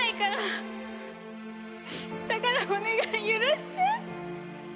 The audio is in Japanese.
だからお願い許して！